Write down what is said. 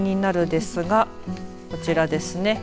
ですがこちらですね。